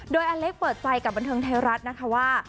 โดยอเล็กเปิดใจกับบันเทิงไทยรัฐนะคะว่า